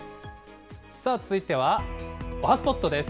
さあ、続いてはおはＳＰＯＴです。